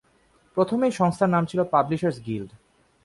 প্রথমে এই সংস্থার নাম ছিল ‘পাবলিশার্স গিল্ড’।